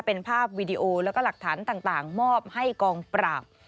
เป็นภาพวีดีโอแล้วก็หลักฐานต่างมอบให้กองปราบ